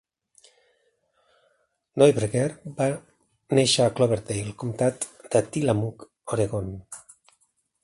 Neuberger va néixer a Cloverdale, comtat de Tillamook, Oregon.